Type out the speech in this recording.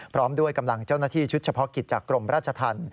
พร้อมด้วยกำลังเจ้าหน้าที่ชุดเฉพาะกิจจากกรมราชธรรม